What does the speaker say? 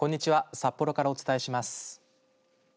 札幌からお伝えします。